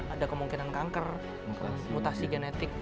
ada kemungkinan kanker mutasi genetik